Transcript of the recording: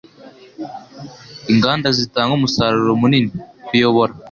Inganda zitanga umusaruro munini (_kuyobora)